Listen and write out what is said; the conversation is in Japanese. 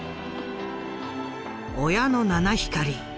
「親の七光り」。